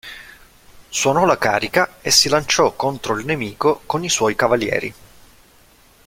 Suonò la carica e si lanciò contro il nemico con i suoi cavalieri.